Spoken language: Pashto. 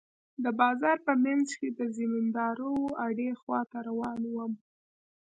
د بازار په منځ کښې د زمينداورو اډې خوا ته روان وم.